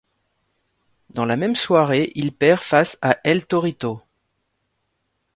Dans la même soirée, il perd face à El Torito.